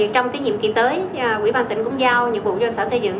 trong kỷ niệm kỳ tới quỹ bàn tỉnh cũng giao nhiệm vụ cho sở xây dựng